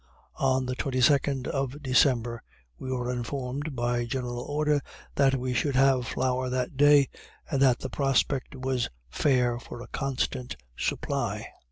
On the 22d of December we were informed, by general order, that we should have flour that day, and that the prospect was fair for a constant supply.